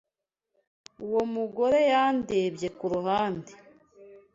Uwo mugore yandebye kuruhande.